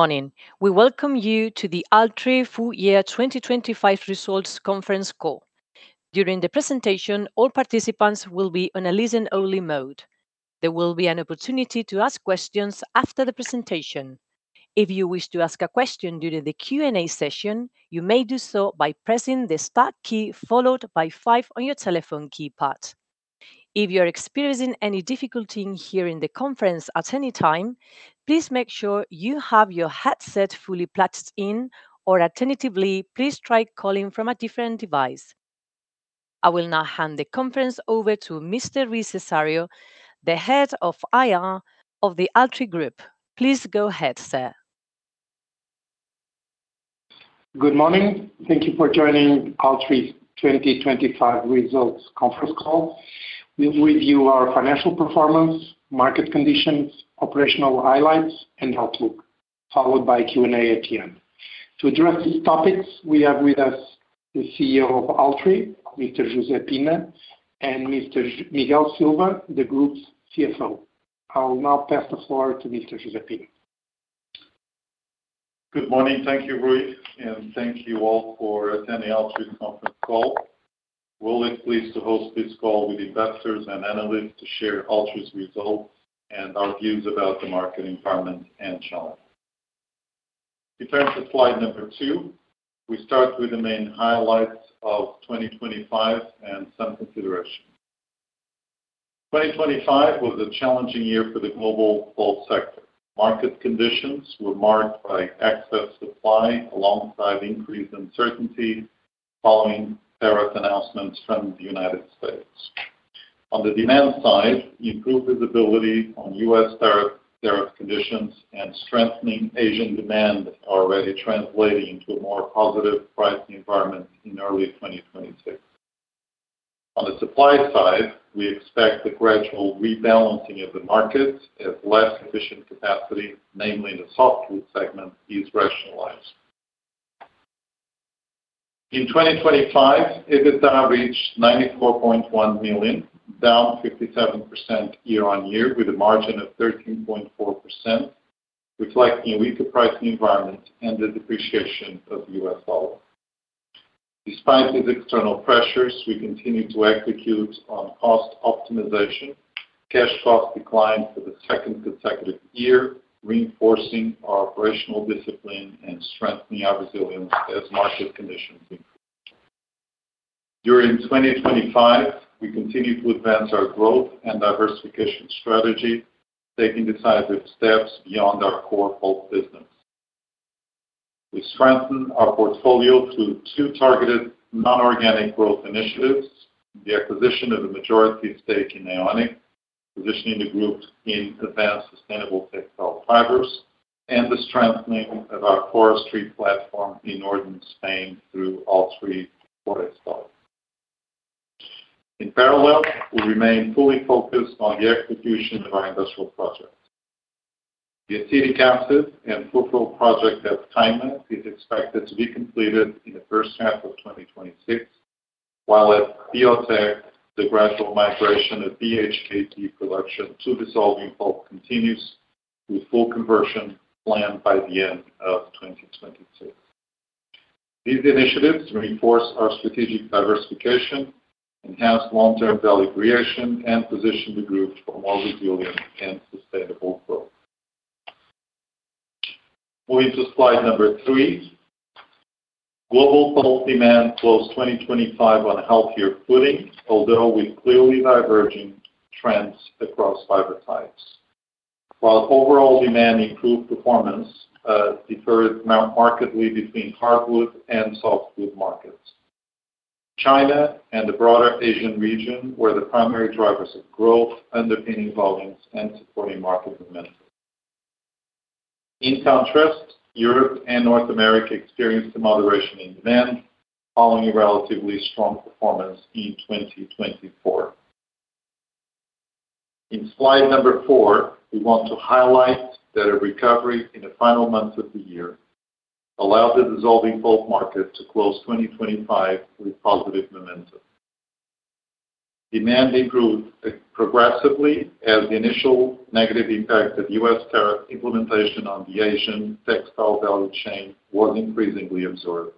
Morning. We welcome you to the Altri Full Year 2025 Results Conference Call. During the presentation, all participants will be on a listen-only mode. There will be an opportunity to ask questions after the presentation. If you wish to ask a question during the Q&A session, you may do so by pressing the Star key followed by five on your telephone keypad. If you're experiencing any difficulty in hearing the conference at any time, please make sure you have your headset fully plugged in, or alternatively, please try calling from a different device. I will now hand the conference over to Mr. Rui Cesário, the Head of IR of the Altri Group. Please go ahead, sir. Good morning. Thank you for joining Altri 2025 Results Conference Call. We'll review our financial performance, market conditions, operational highlights, and outlook, followed by Q&A at the end. To address these topics, we have with us the CEO of Altri, Mr. José Pina, and Mr. Miguel Silva, the Group's CFO. I will now pass the floor to Mr. José Pina. Good morning. Thank you, Rui, and thank you all for attending Altri's conference call. We're really pleased to host this call with investors and analysts to share Altri's results and our views about the market environment and challenges. If you turn to slide number two, we start with the main highlights of 2025 and some considerations. 2025 was a challenging year for the global pulp sector. Market conditions were marked by excess supply alongside increased uncertainty following tariff announcements from the United States. On the demand side, improved visibility on U.S. tariff conditions and strengthening Asian demand are already translating into a more positive pricing environment in early 2026. On the supply side, we expect the gradual rebalancing of the market as less efficient capacity, namely in the softwood segment, is rationalized. In 2025, EBITDA reached 94.1 million, down 57% year-on-year with a margin of 13.4%, reflecting a weaker pricing environment and the depreciation of the U.S. dollar. Despite these external pressures, we continue to execute on cost optimization. Cash cost declined for the second consecutive year, reinforcing our operational discipline and strengthening our resilience as market conditions improve. During 2025, we continued to advance our growth and diversification strategy, taking decisive steps beyond our core pulp business. We strengthened our portfolio through two targeted non-organic growth initiatives, the acquisition of a majority stake in AeoniQ, positioning the group in advanced sustainable textile fibers, and the strengthening of our forestry platform in northern Spain through Altri Forestal. In parallel, we remain fully focused on the execution of our industrial projects. The acetic acid and pulp mill project at Caima is expected to be completed in the first half of 2026, while at Biotec, the gradual migration of BHKP production to dissolving pulp continues with full conversion planned by the end of 2026. These initiatives reinforce our strategic diversification, enhance long-term value creation, and position the group for more resilient and sustainable growth. Moving to slide number three. Global pulp demand closed 2025 on a healthier footing, although with clearly diverging trends across fiber types. While overall demand improved performance, differed markedly between hardwood and softwood markets. China and the broader Asian region were the primary drivers of growth underpinning volumes and supporting market momentum. In contrast, Europe and North America experienced a moderation in demand following a relatively strong performance in 2024. In slide number four, we want to highlight that a recovery in the final months of the year allowed the dissolving pulp market to close 2025 with positive momentum. Demand improved progressively as the initial negative impact of U.S. tariff implementation on the Asian textile value chain was increasingly absorbed.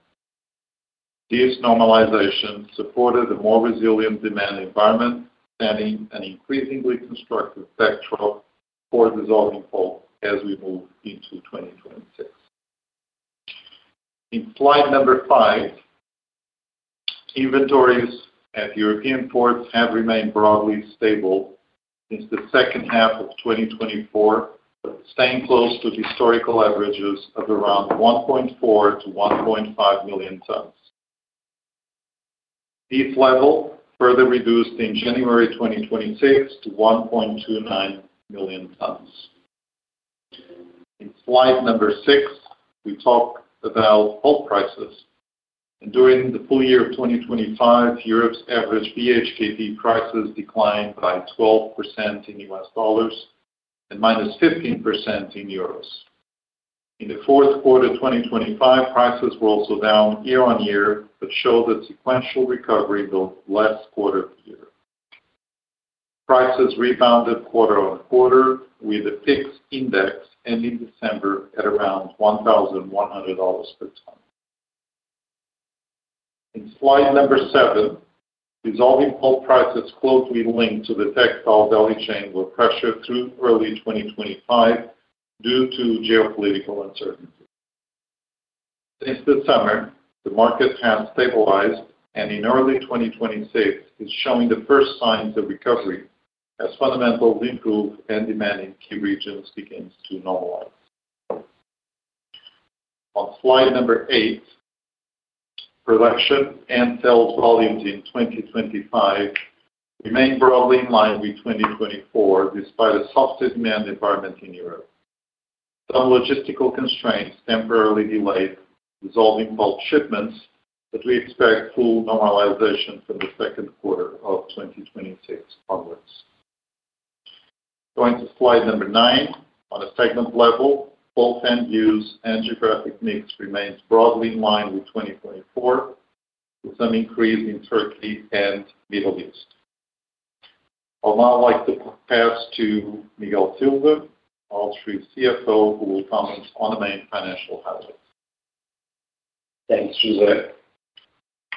This normalization supported a more resilient demand environment, setting an increasingly constructive backdrop for dissolving pulp as we move into 2026. In slide number five, inventories at European ports have remained broadly stable since the second half of 2024, staying close to historical averages of around 1.4-1.5 million tons. This level further reduced in January 2026-1.29 million tons. In slide number six, we talk about pulp prices. During the full year of 2025, Europe's average BHKP prices declined by 12% in U.S. dollars and -15% in euros. In the fourth quarter 2025, prices were also down year-on-year, but showed the sequential recovery in the last quarter of the year. Prices rebounded quarter-on-quarter with a fixed index ending in December at around $1,100 per ton. In slide seven, dissolving pulp prices closely linked to the textile value chain were pressured through early 2025 due to geopolitical uncertainty. Since the summer, the market has stabilized, and in early 2026 is showing the first signs of recovery as fundamentals improve and demand in key regions begins to normalize. On slide eight, production and sales volumes in 2025 remain broadly in line with 2024 despite a soft demand environment in Europe. Some logistical constraints temporarily delayed dissolving pulp shipments, but we expect full normalization from the second quarter of 2026 onwards. Going to slide number nine. On a segment level, pulp end use and geographic mix remains broadly in line with 2024, with some increase in Turkey and Middle East. I would now like to pass to Miguel Silva, Altri CFO, who will comment on the main financial highlights. Thanks, José.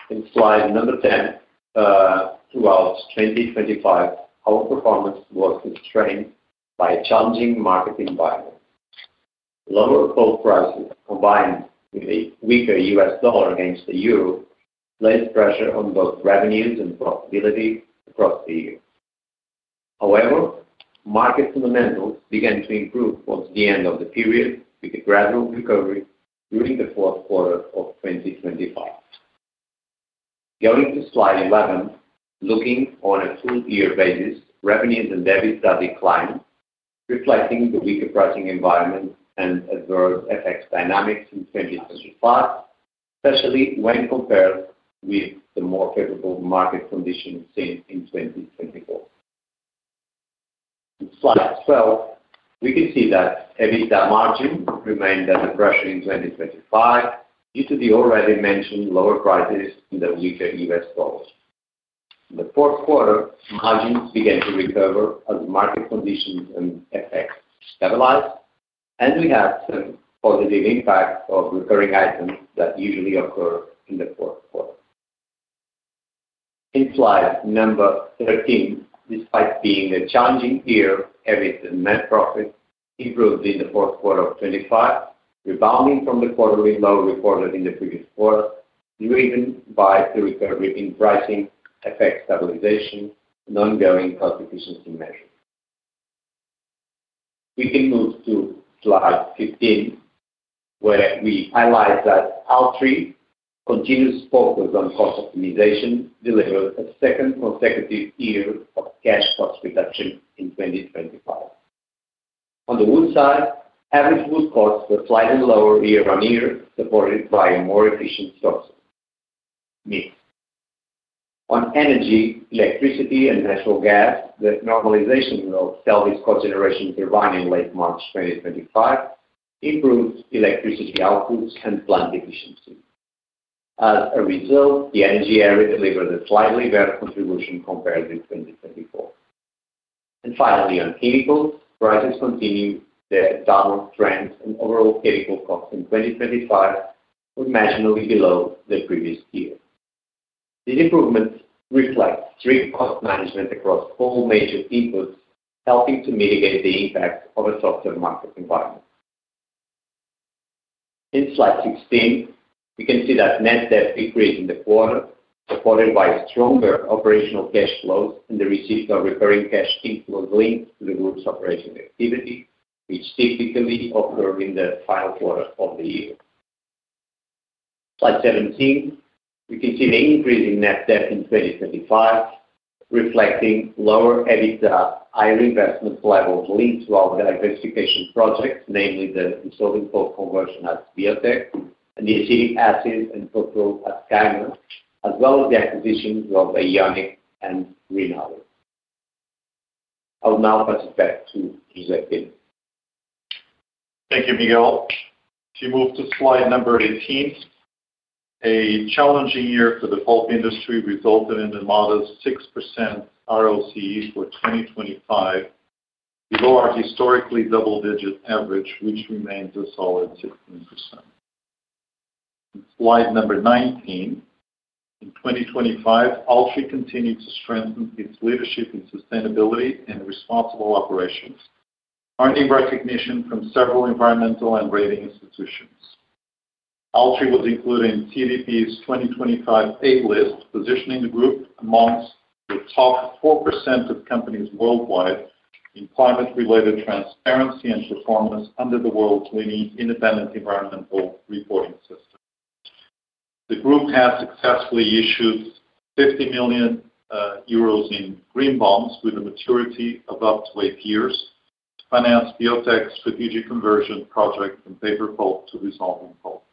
In slide 10, throughout 2025, our performance was constrained by a challenging market environment. Lower pulp prices, combined with a weaker U.S. dollar against the euro, placed pressure on both revenues and profitability across the year. However, market fundamentals began to improve towards the end of the period, with a gradual recovery during the fourth quarter of 2025. Going to slide 11. Looking on a full year basis, revenues and EBITDA declined, reflecting the weaker pricing environment and adverse FX dynamics in 2025, especially when compared with the more favorable market conditions seen in 2024. In slide 12, we can see that EBITDA margin remained under pressure in 2025 due to the already mentioned lower prices and the weaker US dollar. In the fourth quarter, margins began to recover as market conditions and FX stabilized, and we had some positive impact of recurring items that usually occur in the fourth quarter. In slide 13, despite being a challenging year, EBIT and net profit improved in the fourth quarter of 2025, rebounding from the quarterly low recorded in the previous quarter, driven by the recovery in pricing, FX stabilization and ongoing cost efficiency measures. We can move to slide 15, where we highlight that Altri's continuous focus on cost optimization delivered a second consecutive year of cash cost reduction in 2025. On the wood side, average wood costs were slightly lower year on year, supported by a more efficient sourcing mix. On energy, electricity and natural gas, the normalization of Celbi's cogeneration turbine in late March 2025 improved electricity outputs and plant efficiency. As a result, the energy area delivered a slightly better contribution compared with 2024. Finally, on chemicals, prices continued their downward trend and overall chemical costs in 2025 were marginally below the previous year. These improvements reflect strict cost management across all major inputs, helping to mitigate the impact of a softer market environment. In slide 16, we can see that net debt decreased in the quarter, supported by stronger operational cash flows and the receipt of recurring cash inflows linked to the group's operating activity, which typically occur in the final quarter of the year. Slide 17, we can see the increase in net debt in 2025 reflecting lower EBITDA, higher investment levels linked to our diversification projects, namely the dissolving pulp conversion at Biotek and the acetic acid and furfural at Caima, as well as the acquisitions of AeoniQ and Greenalia. I'll now pass it back to José Pina. Thank you, Miguel. If you move to slide number 18. A challenging year for the pulp industry resulted in a modest 6% ROCE for 2025, below our historically double-digit average, which remains a solid 16%. On slide number 19. In 2025, Altri continued to strengthen its leadership in sustainability and responsible operations, earning recognition from several environmental and rating institutions. Altri was included in CDP's 2025 A list, positioning the group amongst the top 4% of companies worldwide in climate-related transparency and performance under the world's leading independent environmental reporting system. The group has successfully issued 50 million euros in green bonds with a maturity of up to eight years to finance Biotek's strategic conversion project from paper pulp to dissolving pulp.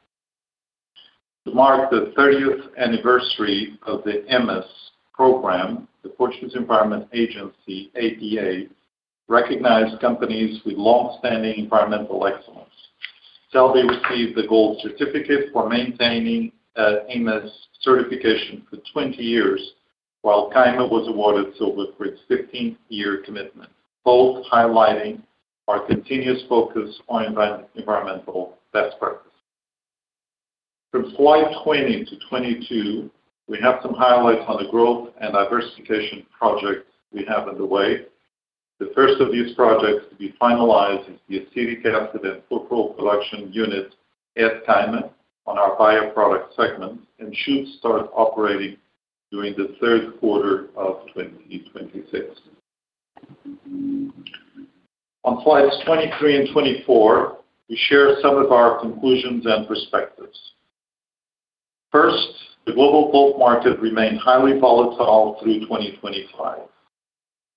To mark the 30th anniversary of the EMAS program, the Portuguese Environment Agency, APA, recognized companies with long-standing environmental excellence. Celbi received the Gold Certificate for maintaining EMS certification for 20 years, while Caima was awarded silver for its 15th year commitment, both highlighting our continuous focus on environmental best practice. From slide 20-22, we have some highlights on the growth and diversification projects we have underway. The first of these projects to be finalized is the acetic anhydride and furfural production unit at Caima on our bioproduct segment and should start operating during the third quarter of 2026. On slides 23 and 24, we share some of our conclusions and perspectives. First, the global pulp market remained highly volatile through 2025.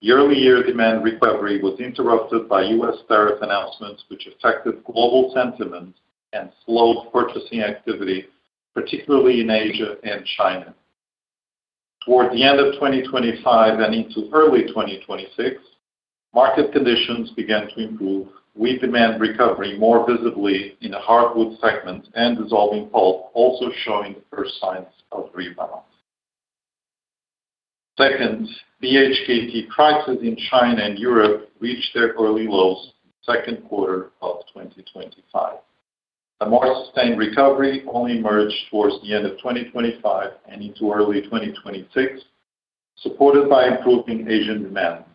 Year-on-year demand recovery was interrupted by U.S. tariff announcements, which affected global sentiment and slowed purchasing activity, particularly in Asia and China. Toward the end of 2025 and into early 2026, market conditions began to improve, with demand recovery more visibly in the hardwood segment and dissolving pulp also showing the first signs of rebound. Second, BHKP prices in China and Europe reached their early lows Q2 2025. A more sustained recovery only emerged towards the end of 2025 and into early 2026, supported by improving Asian demand.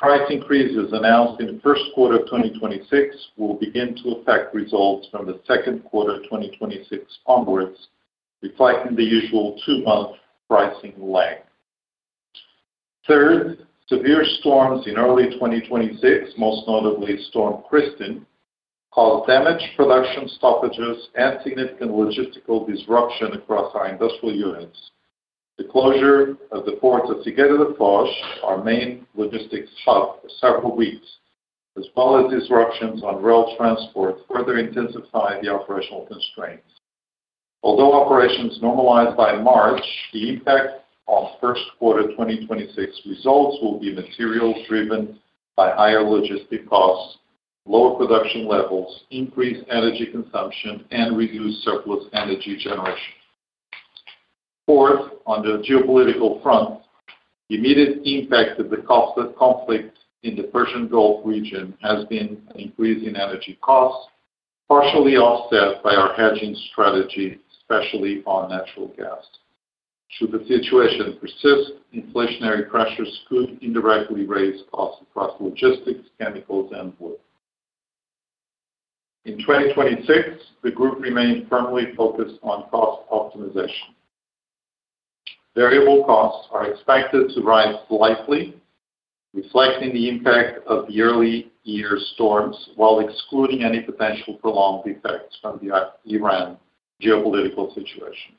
Price increases announced in the Q1 2026 will begin to affect results from the Q2 2026 onwards, reflecting the usual two-month pricing lag. Third, severe storms in early 2026, most notably Storm Kristin, caused damage, production stoppages, and significant logistical disruption across our industrial units. The closure of the ports at Setúbal and Figueira da Foz, our main logistics hub, for several weeks, as well as disruptions on rail transport, further intensified the operational constraints. Although operations normalized by March, the impact on first quarter 2026 results will be material driven by higher logistics costs, lower production levels, increased energy consumption, and reduced surplus energy generation. Fourth, on the geopolitical front, the immediate impact of the costs of conflict in the Persian Gulf region has been an increase in energy costs, partially offset by our hedging strategy, especially on natural gas. Should the situation persist, inflationary pressures could indirectly raise costs across logistics, chemicals, and wood. In 2026, the group remained firmly focused on cost optimization. Variable costs are expected to rise slightly, reflecting the impact of the early year storms while excluding any potential prolonged effects from the Iran geopolitical situation.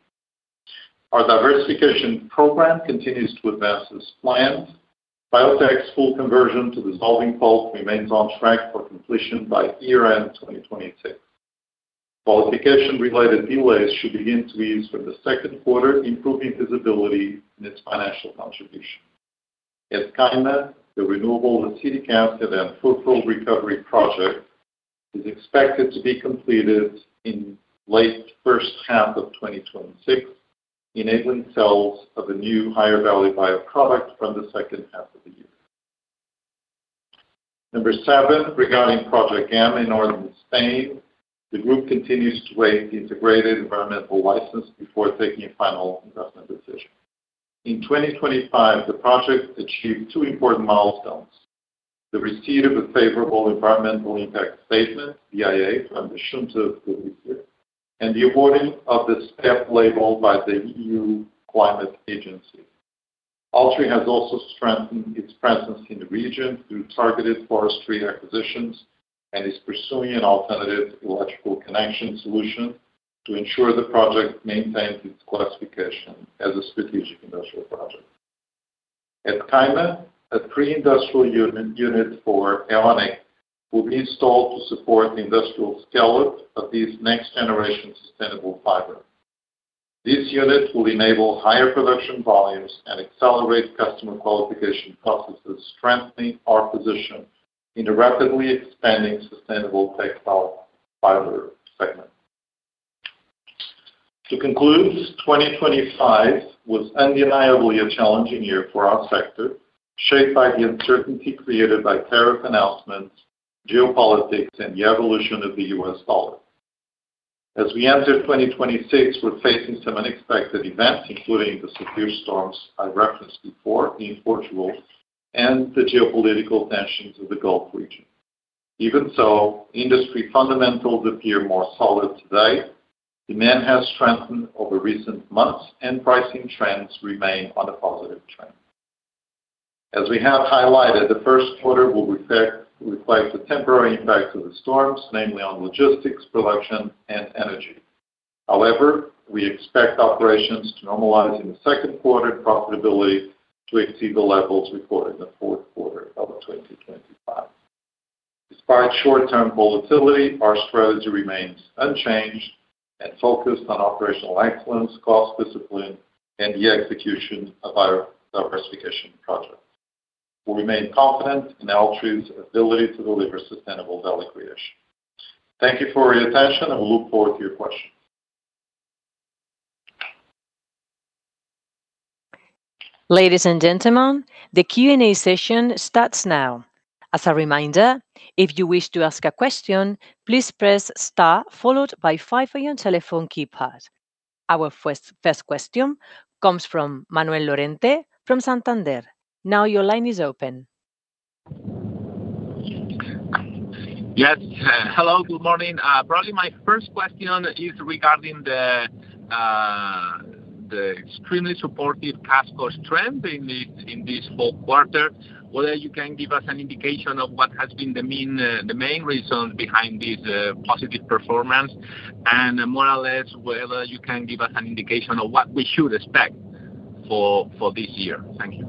Our diversification program continues to advance as planned. Biotek's full conversion to dissolving pulp remains on track for completion by year-end 2026. Qualification related delays should begin to ease from the second quarter, improving visibility in its financial contribution. At Caima, the renewable acetic acid and furfural recovery project is expected to be completed in late first half of 2026, enabling sales of a new higher value bioproduct from the second half of the year. Number seven, regarding Project Gama in northern Spain, the group continues to await the integrated environmental license before taking a final investment decision. In 2025, the project achieved two important milestones. The receipt of a favorable environmental impact statement, EIA, from the Xunta de Galicia, and the awarding of the STEP label by the EU Climate Agency. Altri has also strengthened its presence in the region through targeted forestry acquisitions and is pursuing an alternative electrical connection solution to ensure the project maintains its classification as a strategic industrial project. At Caima, a pre-industrial unit for AeoniQ will be installed to support the industrial scale-up of this next generation sustainable fiber. This unit will enable higher production volumes and accelerate customer qualification processes, strengthening our position in the rapidly expanding sustainable textile fiber segment. To conclude, 2025 was undeniably a challenging year for our sector, shaped by the uncertainty created by tariff announcements, geopolitics, and the evolution of the U.S. dollar. As we enter 2026, we're facing some unexpected events, including the severe storms I referenced before in Portugal and the geopolitical tensions of the Gulf region. Even so, industry fundamentals appear more solid today. Demand has strengthened over recent months, and pricing trends remain on a positive trend. As we have highlighted, the first quarter will reflect the temporary impact of the storms, namely on logistics, production, and energy. However, we expect operations to normalize in the second quarter and profitability to exceed the levels reported in the fourth quarter of 2025. Despite short-term volatility, our strategy remains unchanged and focused on operational excellence, cost discipline, and the execution of our diversification projects. We remain confident in Altri's ability to deliver sustainable value creation. Thank you for your attention, and we look forward to your questions. Ladies and gentlemen, the Q&A session starts now. As a reminder, if you wish to ask a question, please press Star followed by five on your telephone keypad. Our first question comes from Manuel Lorente from Santander. Now your line is open. Yes. Hello. Good morning. Probably my first question is regarding the extremely supportive cash flow trend in this whole quarter. Whether you can give us an indication of what has been the main reason behind this positive performance, and more or less whether you can give us an indication of what we should expect for this year. Thank you.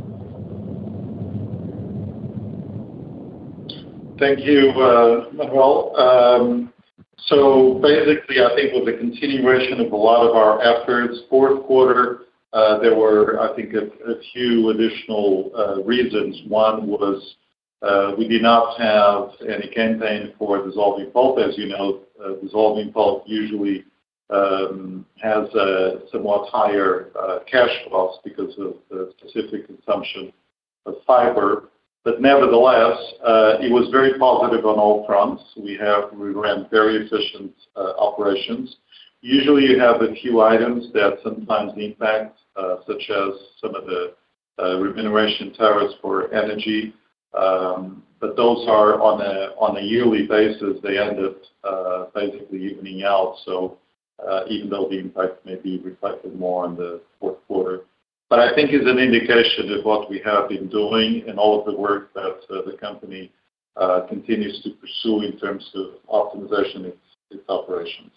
Thank you, Manuel. Basically, I think with the continuation of a lot of our efforts, fourth quarter, there were a few additional reasons. One was we did not have any campaign for dissolving pulp. As you know, dissolving pulp usually has a somewhat higher cash costs because of the specific consumption of fiber. But nevertheless, it was very positive on all fronts. We ran very efficient operations. Usually, you have a few items that sometimes need fixing, such as some of the remuneration tariffs for energy. But those are on a yearly basis, they end up basically evening out. Even though the impact may be reflected more on the fourth quarter. I think it's an indication of what we have been doing and all of the work that the company continues to pursue in terms of optimization its operations.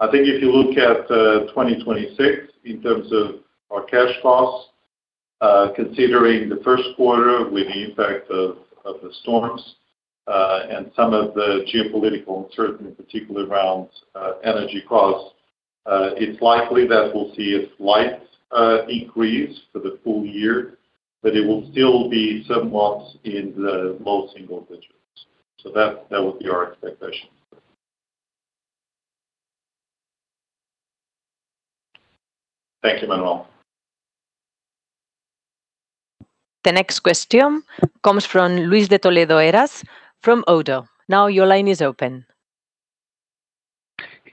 I think if you look at 2026 in terms of our cash costs, considering the first quarter with the impact of the storms, and some of the geopolitical uncertainty, particularly around energy costs, it's likely that we'll see a slight increase for the full year, but it will still be somewhat in the low single digits. That would be our expectation. Thank you, Manuel. The next question comes from Luis de Toledo Heras from Oddo BHF. Now your line is open.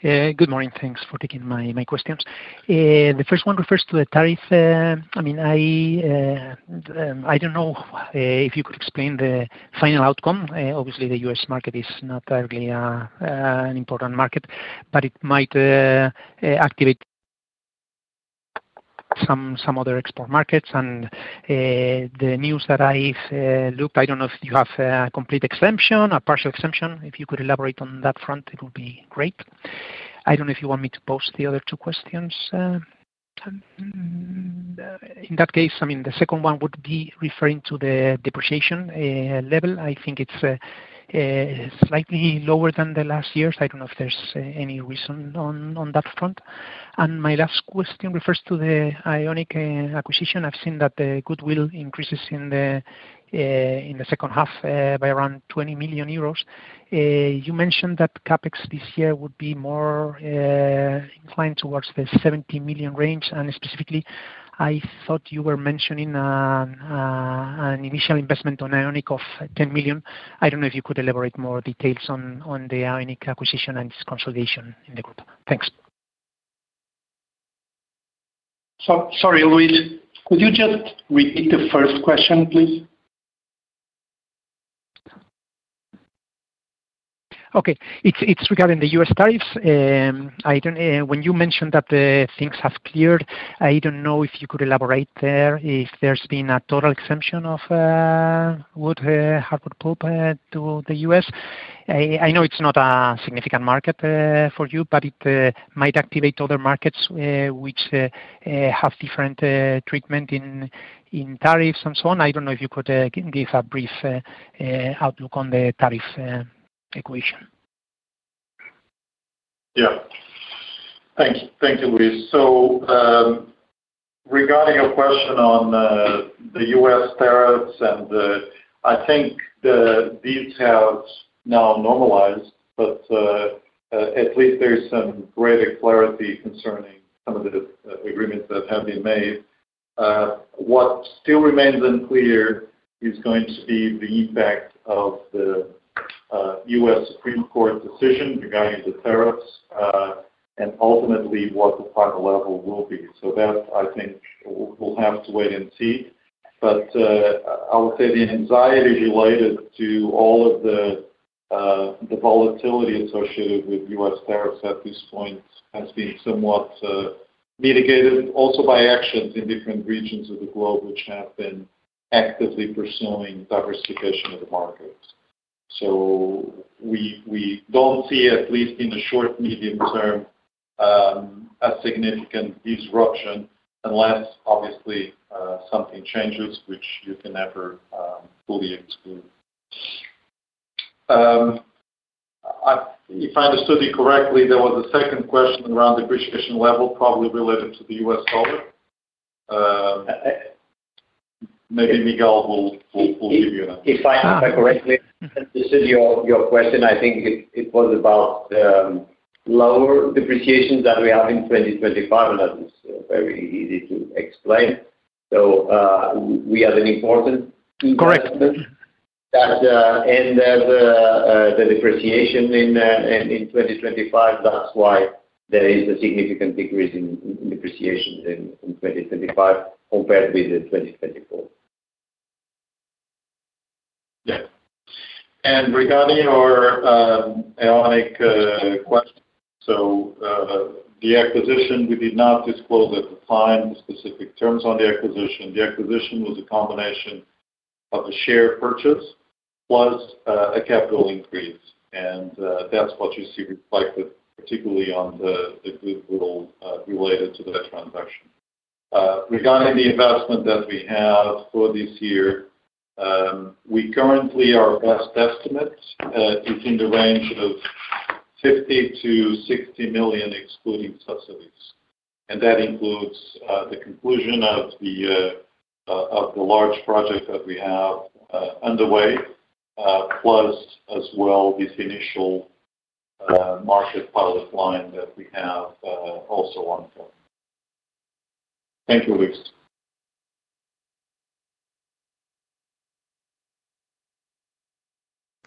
Yeah. Good morning. Thanks for taking my questions. The first one refers to the tariff. I mean, I don't know if you could explain the final outcome. Obviously, the U.S. market is not really an important market, but it might activate some other export markets. The news that I've looked, I don't know if you have a complete exemption, a partial exemption. If you could elaborate on that front, it would be great. I don't know if you want me to pose the other two questions. In that case, I mean, the second one would be referring to the depreciation level. I think it's slightly lower than the last years. I don't know if there's any reason on that front. My last question refers to the AeoniQ acquisition. I've seen that the goodwill increases in the second half by around 20 million euros. You mentioned that CapEx this year would be more inclined towards the 70 million range. Specifically, I thought you were mentioning an initial investment on AeoniQ of 10 million. I don't know if you could elaborate more details on the AeoniQ acquisition and its consolidation in the group. Thanks. Sorry, Luis. Could you just repeat the first question, please? Okay. It's regarding the U.S. tariffs. When you mentioned that the things have cleared, I don't know if you could elaborate there. If there's been a total exemption of wood, hardwood pulp to the U.S. I know it's not a significant market for you, but it might activate other markets which have different treatment in tariffs and so on. I don't know if you could give a brief outlook on the tariff equation. Yeah. Thank you, Luis. Regarding your question on the U.S. tariffs, I think these have now normalized, but at least there's some greater clarity concerning some of the agreements that have been made. What still remains unclear is going to be the impact of the U.S. Supreme Court decision regarding the tariffs, and ultimately what the final level will be. That, I think we'll have to wait and see. I would say the anxiety related to all of the volatility associated with U.S. tariffs at this point has been somewhat mitigated also by actions in different regions of the globe which have been actively pursuing diversification of the markets. We don't see, at least in the short, medium term, a significant disruption unless obviously, something changes which you can never, fully exclude. If I understood you correctly, there was a second question around the depreciation level probably related to the U.S. dollar. Maybe Miguel will give you that. If I heard correctly, this is your question. I think it was about lower depreciation that we have in 2025, and that is very easy to explain. We have an important investment. Correct. That and the depreciation in 2025, that's why there is a significant decrease in depreciation in 2025 compared with 2024. Yeah. Regarding your AeoniQ question. The acquisition, we did not disclose at the time specific terms on the acquisition. The acquisition was a combination of a share purchase plus a capital increase. That's what you see reflected particularly on the goodwill related to that transaction. Regarding the investment that we have for this year, we currently our best estimate is in the range of 50 million-60 million excluding subsidies. That includes the conclusion of the large project that we have underway, plus as well this initial market pilot line that we have also ongoing. Thank you, Luis.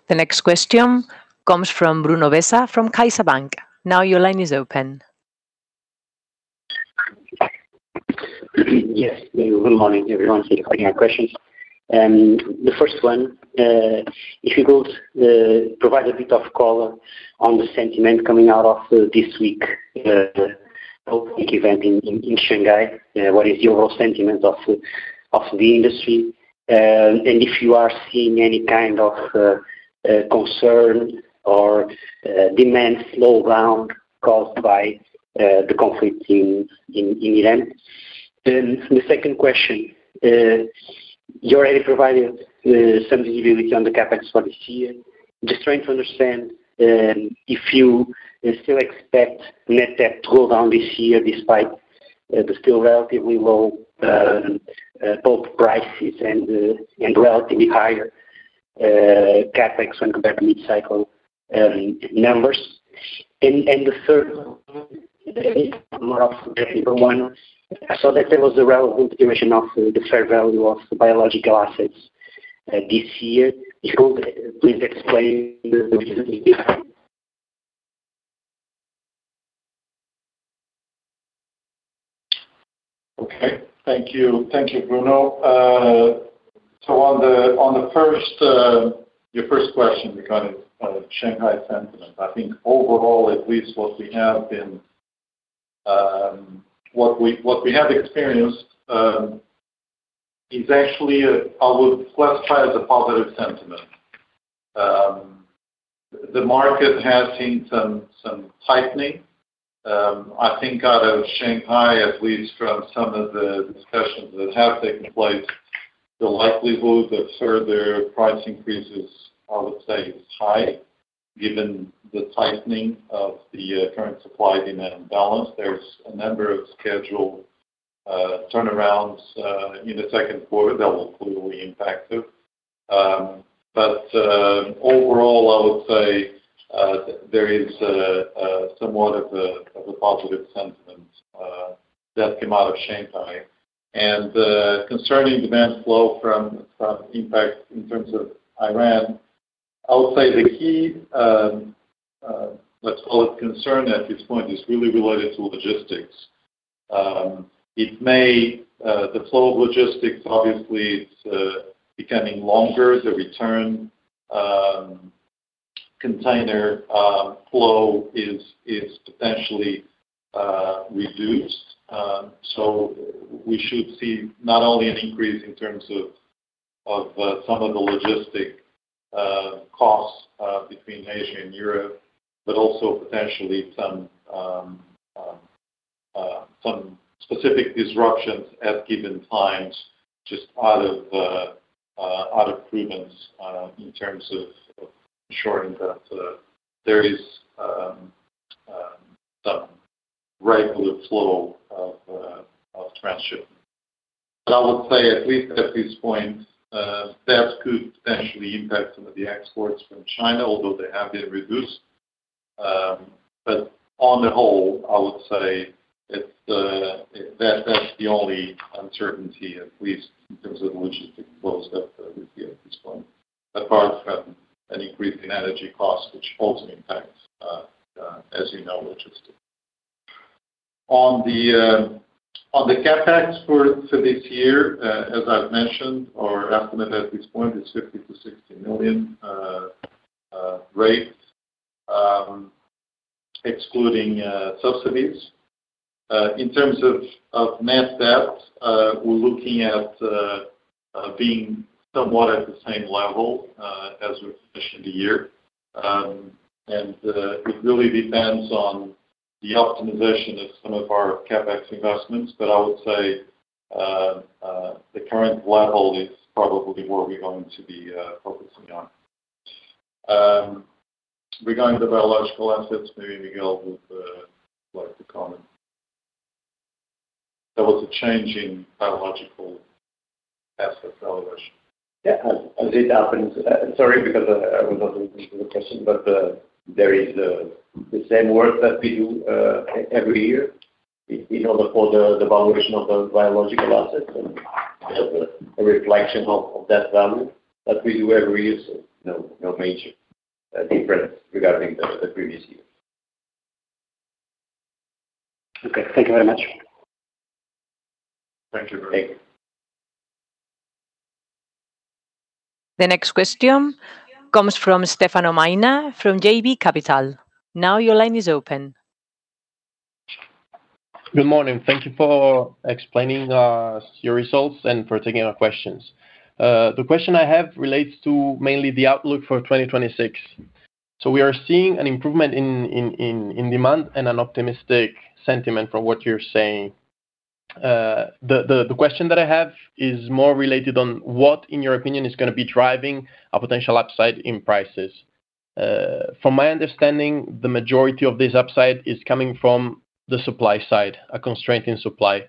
The next question comes from Bruno Bessa from CaixaBank BPI. Now your line is open. Yes. Good morning, everyone. Thank you for taking our questions. The first one, if you could provide a bit of color on the sentiment coming out of this week opening event in Shanghai. What is your overall sentiment of the industry? And if you are seeing any kind of concern or demand slowdown caused by the conflict in Iran. The second question, you already provided some visibility on the CapEx for this year. Just trying to understand if you still expect net debt to go down this year despite the still relatively low both prices and relatively higher CapEx when compared to mid-cycle numbers. The third one, more of a general one. I saw that there was a relevant information of the fair value of biological assets, this year. If you could please explain the reason behind. Okay. Thank you. Thank you, Bruno. So on the first, your first question regarding Shanghai sentiment, I think overall, at least what we have experienced is actually I would classify as a positive sentiment. The market has seen some tightening. I think out of Shanghai, at least from some of the discussions that have taken place, the likelihood of further price increases, I would say, is high given the tightening of the current supply-demand balance. There's a number of scheduled turnarounds in the second quarter that will clearly impact it. Overall, I would say there is somewhat of a positive sentiment that came out of Shanghai. Concerning demand flow from impact in terms of Iran, I would say the key, let's call it concern at this point is really related to logistics. The flow of logistics obviously is becoming longer. The return container flow is potentially reduced. We should see not only an increase in terms of some of the logistics costs between Asia and Europe, but also potentially some specific disruptions at given times just out of prudence in terms of ensuring that there is some regular flow of transshipment. I would say at least at this point that could potentially impact some of the exports from China, although they have been reduced. On the whole, I would say that's the only uncertainty, at least in terms of logistics flows that we see at this point, apart from an increase in energy costs, which also impacts, as you know, logistics. On the CapEx for this year, as I've mentioned, our estimate at this point is 50 million-60 million excluding subsidies. In terms of net debt, we're looking at being somewhat at the same level as we finished the year. It really depends on the optimization of some of our CapEx investments, but I would say the current level is probably where we're going to be focusing on. Regarding the biological assets, maybe Miguel would like to comment. There was a change in biological asset valuation. Yeah. As it happens. Sorry, because I was not listening to the question, but there is the same work that we do every year in order for the valuation of the biological assets and a reflection of that value that we do every year. No major difference regarding the previous year. Okay. Thank you very much. Thank you very much. Thank you. The next question comes from Stefano Maina from JB Capital. Now your line is open. Good morning. Thank you for explaining your results and for taking our questions. The question I have relates to mainly the outlook for 2026. We are seeing an improvement in demand and an optimistic sentiment from what you're saying. The question that I have is more related to what, in your opinion, is gonna be driving a potential upside in prices. From my understanding, the majority of this upside is coming from the supply side, a constraint in supply.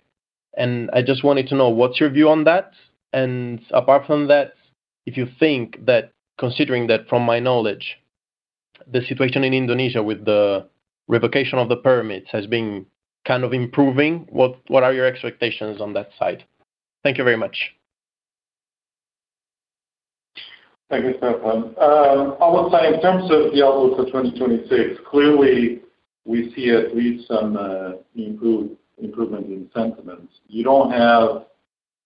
I just wanted to know what's your view on that. Apart from that, if you think that considering that from my knowledge, the situation in Indonesia with the revocation of the permits has been kind of improving, what are your expectations on that side? Thank you very much. Thank you, Stefano. I would say in terms of the outlook for 2026, clearly we see at least some improvement in sentiment. You don't have,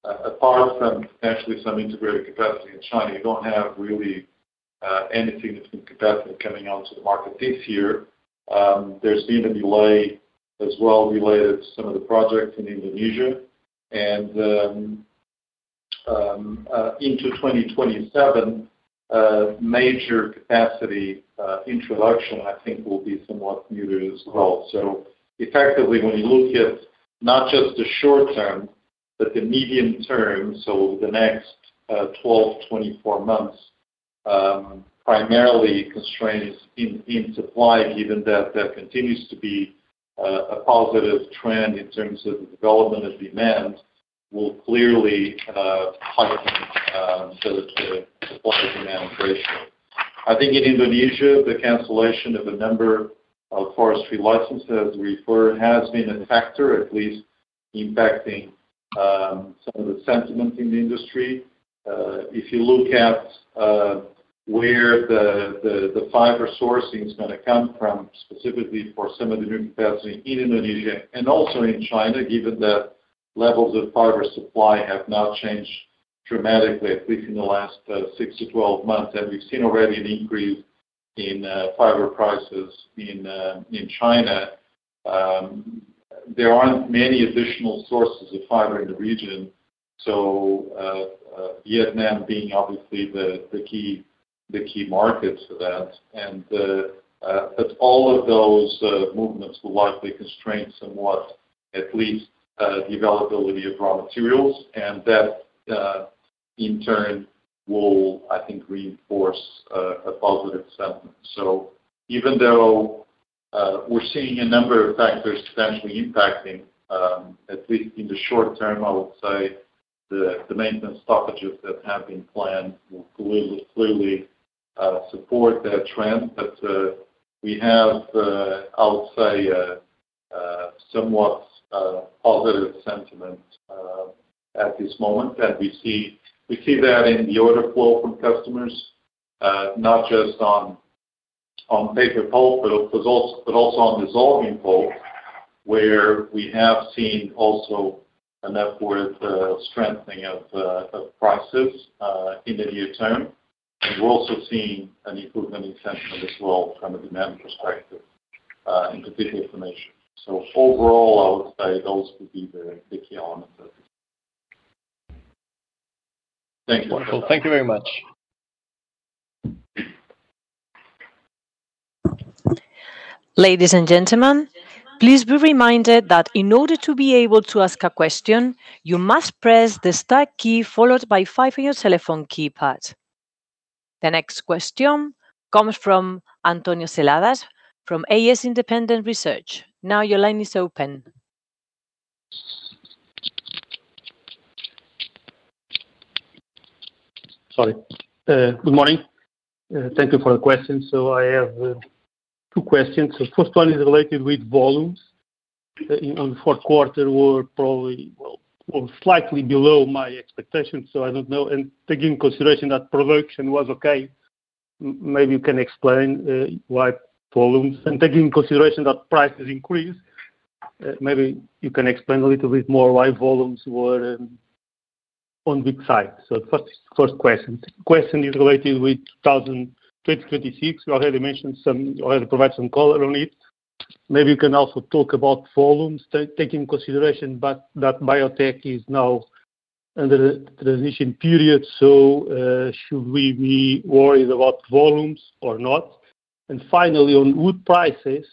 apart from actually some integrated capacity in China, you don't have really anything that's new capacity coming onto the market this year. There's been a delay as well related to some of the projects in Indonesia. Into 2027, a major capacity introduction I think will be somewhat muted as well. Effectively, when you look at not just the short term, but the medium term, the next 12, 24 months, primarily constraints in supply, given that there continues to be a positive trend in terms of the development of demand, will clearly tighten the supply to demand ratio. I think in Indonesia, the cancellation of a number of forestry licenses referred has been a factor at least impacting some of the sentiment in the industry. If you look at where the fiber sourcing is gonna come from specifically for some of the new capacity in Indonesia and also in China, given that levels of fiber supply have not changed dramatically, at least in the last six to 12 months. We've seen already an increase in fiber prices in China. There aren't many additional sources of fiber in the region. Vietnam being obviously the key market to that. But all of those movements will likely constrain somewhat at least the availability of raw materials. That in turn will, I think, reinforce a positive sentiment. Even though we're seeing a number of factors potentially impacting at least in the short term, I would say the maintenance stoppages that have been planned will clearly support that trend. We have I would say somewhat positive sentiment at this moment. We see that in the order flow from customers not just on paper pulp, but also on dissolving pulp, where we have seen also an upward strengthening of prices in the near term. We're also seeing an improvement in sentiment as well from a demand perspective in particular information. Overall, I would say those would be the key elements of this. Thank you. Wonderful. Thank you very much. Ladies and gentlemen, please be reminded that in order to be able to ask a question, you must press the star key followed by five on your telephone keypad. The next question comes from António Seladas from AS Independent Research. Now your line is open. Sorry. Good morning. Thank you for the question. I have two questions. The first one is related with volumes. In the fourth quarter were probably well slightly below my expectations, so I don't know. Taking consideration that production was okay, maybe you can explain why volumes. Taking consideration that prices increased, maybe you can explain a little bit more why volumes were on weak side. First question. Second question is related with 2026. You already provided some color on it. Maybe you can also talk about volumes, taking consideration, but that Biotek is now under the transition period, so should we be worried about volumes or not? Finally, on wood prices,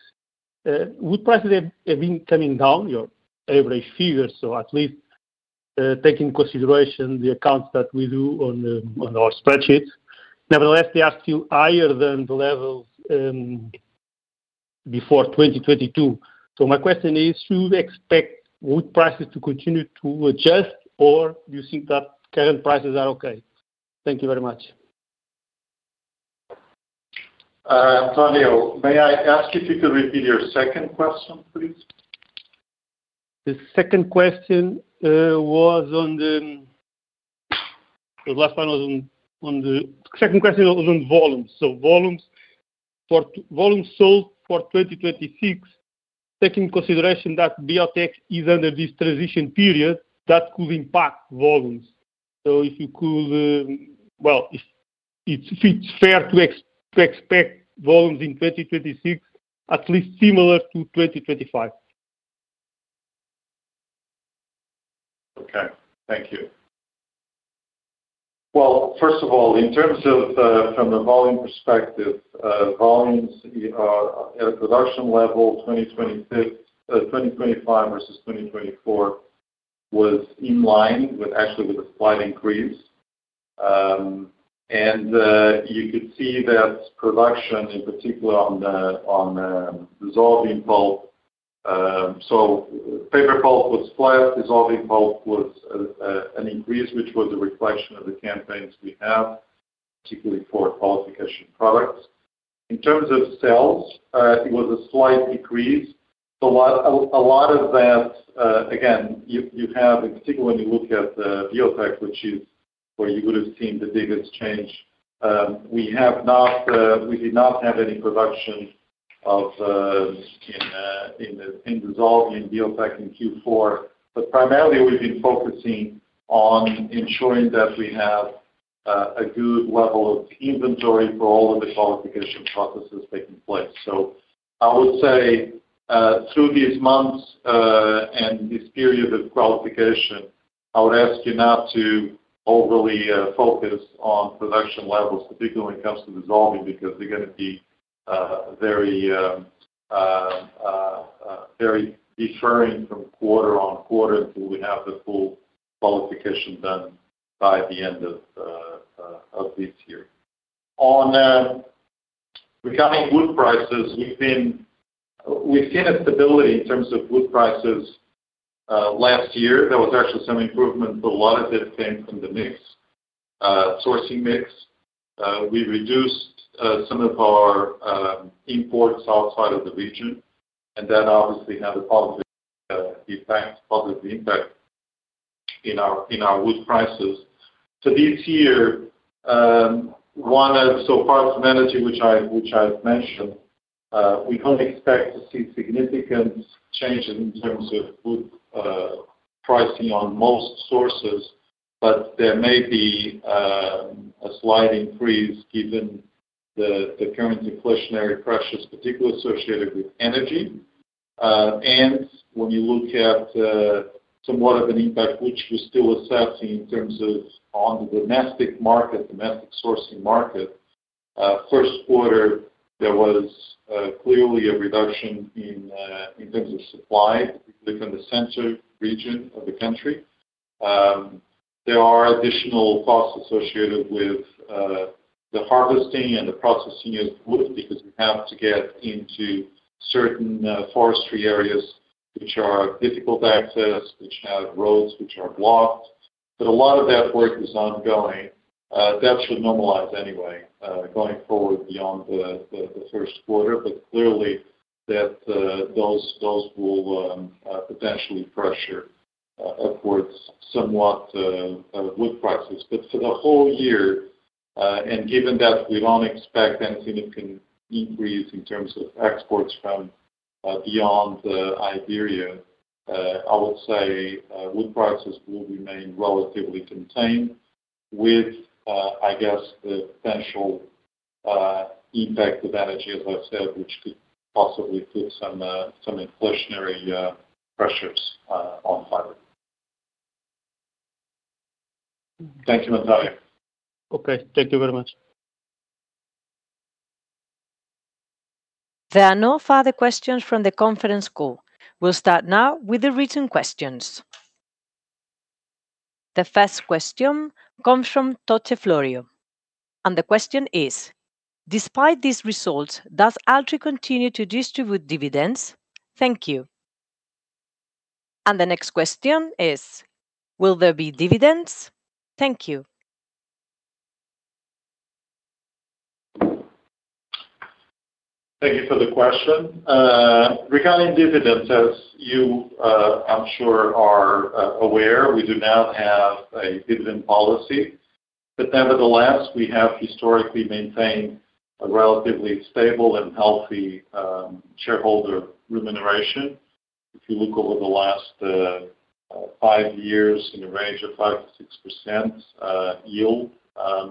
wood prices have been coming down your average figures, so at least take in consideration the accounts that we do on our spreadsheets. Nevertheless, they are still higher than the levels before 2022. My question is, should we expect wood prices to continue to adjust, or do you think that current prices are okay? Thank you very much. António, may I ask if you could repeat your second question, please? The second question was on volumes. Volumes sold for 2026, taking into consideration that Biotek is under this transition period that could impact volumes. If it's fair to expect volumes in 2026 at least similar to 2025? Okay. Thank you. Well, first of all, in terms of from the volume perspective, volumes at a production level, 2025 versus 2024 was in line with actually with a slight increase. You could see that production in particular on the dissolving pulp. Paper pulp was flat, dissolving pulp was an increase, which was a reflection of the campaigns we have, particularly for qualification products. In terms of sales, it was a slight decrease. A lot of that, again, you have, in particular when you look at Biotek, which is where you would have seen the biggest change, we did not have any production of in dissolving Biotek in Q4. Primarily, we've been focusing on ensuring that we have a good level of inventory for all of the qualification processes taking place. I would say through these months and this period of qualification, I would ask you not to overly focus on production levels, particularly when it comes to dissolving, because they're gonna be very differing from quarter on quarter until we have the full qualification done by the end of this year. Regarding wood prices, we've seen a stability in terms of wood prices last year. There was actually some improvement, but a lot of it came from the sourcing mix. We reduced some of our imports outside of the region, and that obviously had a positive effect, positive impact in our wood prices. This year so far from energy, which I've mentioned, we don't expect to see significant change in terms of wood pricing on most sources. There may be a slight increase given the current inflationary pressures particularly associated with energy. When you look at somewhat of an impact which we're still assessing in terms of the domestic market, domestic sourcing market, first quarter, there was clearly a reduction in terms of supply, particularly from the center region of the country. There are additional costs associated with the harvesting and the processing of wood because we have to get into certain forestry areas which are difficult to access, which have roads which are blocked. A lot of that work is ongoing. That should normalize anyway going forward beyond the first quarter. Clearly those will potentially pressure upwards somewhat wood prices. For the whole year and given that we don't expect any significant increase in terms of exports from beyond Iberia, I would say wood prices will remain relatively contained with I guess the potential impact of energy, as I've said, which could possibly put some inflationary pressures on fiber. Thank you, António. Okay. Thank you very much. There are no further questions from the conference call. We'll start now with the written questions. The first question comes from Toto Florio, and the question is: Despite these results, does Altri continue to distribute dividends? Thank you. The next question is: Will there be dividends? Thank you. Thank you for the question. Regarding dividends, as you, I'm sure are, aware, we do not have a dividend policy. Nevertheless, we have historically maintained a relatively stable and healthy shareholder remuneration. If you look over the last five years in a range of 5%-6% yield, I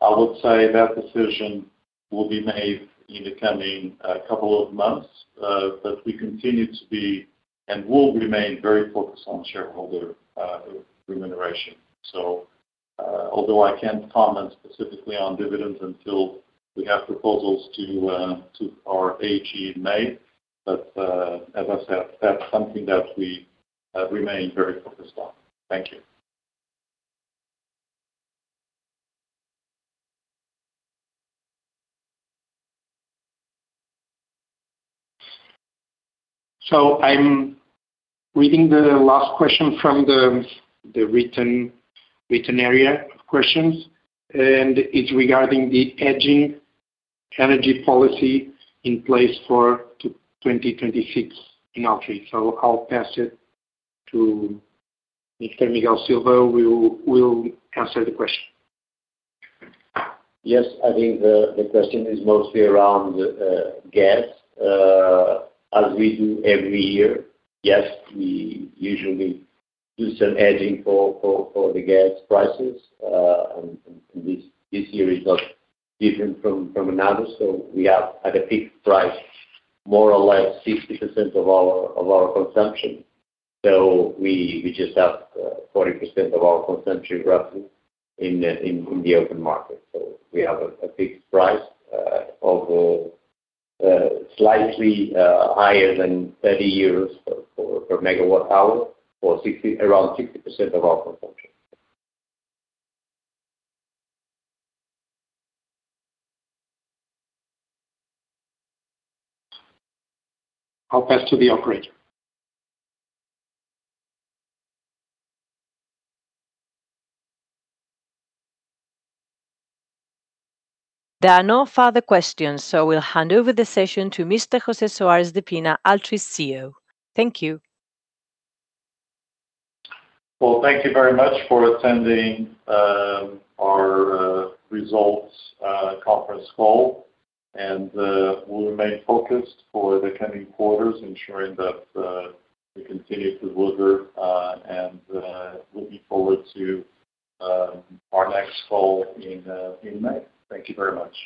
would say that decision will be made in the coming couple of months, but we continue to be and will remain very focused on shareholder remuneration. Although I can't comment specifically on dividends until we have proposals to our AGM in May, but as I said, that's something that we remain very focused on. Thank you. I'm reading the last question from the written area of questions, and it's regarding the hedging energy policy in place for 2026 in Altri. I'll pass it to Mr. Miguel Silva, who will answer the question. Yes. I think the question is mostly around gas. As we do every year, yes, we usually do some hedging for the gas prices, and this year is not different from another. We have at a fixed price more or less 60% of our consumption. We just have 40% of our consumption roughly in the open market. We have a fixed price of slightly higher than 30 euros for megawatt hour for around 60% of our consumption. I'll pass to the operator. There are no further questions, so we'll hand over the session to Mr. José Soares de Pina, Altri's CEO. Thank you. Well, thank you very much for attending our results conference call. We'll remain focused for the coming quarters, ensuring that we continue to deliver and looking forward to our next call in May. Thank you very much.